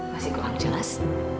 masih kurang jelas